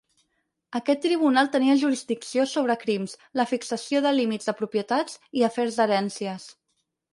Aquest tribunal tenia jurisdicció sobre crims, la fixació de límits de propietats i afers d'herències.